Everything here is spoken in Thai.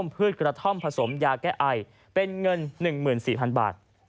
เป็นเงิน๑๔๐๐๐บาท